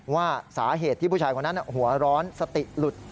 ว่าสาเหตุที่ผู้ชายคนนั้นหัวร้อนสติหลุด